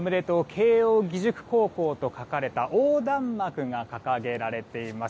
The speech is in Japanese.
慶応義塾高校と書かれた横断幕が掲げられています。